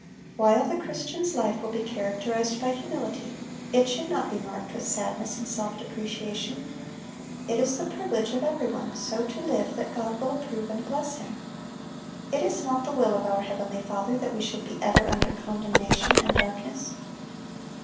(826) While the Christian's life will be characterized by humility, it should not be marked with sadness and self depreciation. It is the privilege of every one so to live that God will approve and bless him. It is not the will of our heavenly Father that we should be ever under condemnation and darkness.